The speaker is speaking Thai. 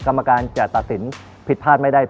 กรรมการจะตัดสินผิดพลาดไม่ได้